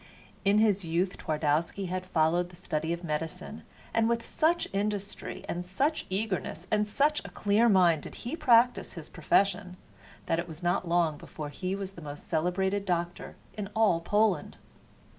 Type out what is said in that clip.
In his youth Twardowski had followed the study of medicine, and with such industry, such eagerness and such a clear mind did he practice his profession that it was not long before he was the most celebrated doctor in all Poland.